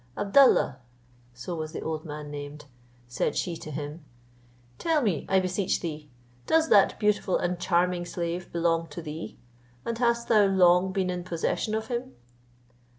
"Abdallah," (so was the old man named) said she to him, "tell me, I beseech thee, does that beautiful and charming slave belong to thee? and hast thou long been in possession of him?"